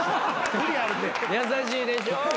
優しいでしょ。